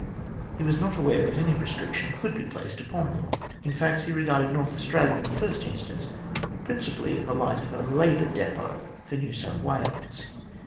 He was not aware that any restriction could be placed upon them. In fact, he regarded North Australia, in the first instance, principally in the light of a labour depot for New South Wales.